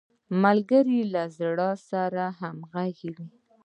ملګری له زړه سره همږغی وي